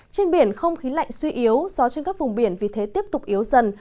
trên biển không khí lạnh suy yếu gió trên các vùng biển vì thế tiếp tục yếu dần